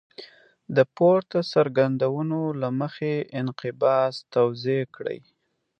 د پورته څرګندونو له مخې انقباض توضیح کړئ.